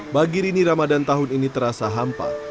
bagi rini ramadan tahun ini terasa hampa